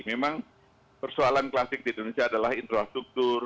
memang persoalan klasik di indonesia adalah infrastruktur